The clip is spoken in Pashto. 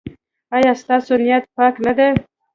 ایا ستاسو نیت پاک نه دی؟